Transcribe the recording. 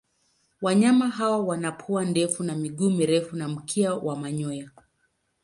Wanyama hawa wana pua ndefu na miguu mirefu na mkia wa manyoya.